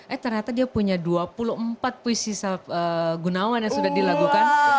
eh ternyata dia punya dua puluh empat puisi gunawan yang sudah dilakukan